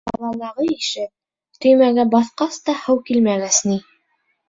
Ҡалалағы ише, төймәгә баҫҡас та һыу килмәгәс ни...